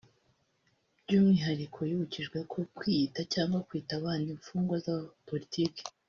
“By’umwihariko yibukijwe ko kwiyita cyangwa kwita abandi imfungwa za politiki